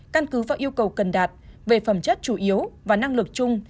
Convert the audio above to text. căn cứ và yêu cầu cần đạt về phẩm chất chủ yếu và năng lực chung